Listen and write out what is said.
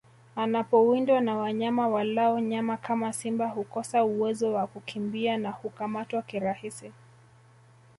Anapowindwa na wanyama walao nyama kama simba hukosa uwezo wa kukimbia na hukamatwa kirahisi